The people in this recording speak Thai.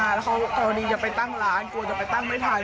แล้วเขากรณีจะไปตั้งร้านกลัวจะไปตั้งไม่ทัน